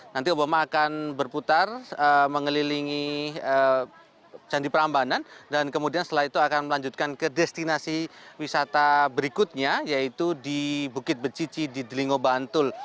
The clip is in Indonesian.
nanti obama akan berputar mengelilingi candi prambanan dan kemudian setelah itu akan melanjutkan ke destinasi wisata berikutnya yaitu di bukit becici di delingo bantul